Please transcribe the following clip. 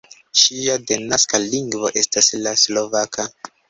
Ŝia denaska lingvo estas la slovaka.